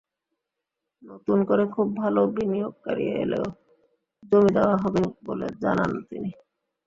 নতুন করে খুব ভালো বিনিয়োগকারী এলেও জমি দেওয়া হবে বলে জানান তিনি।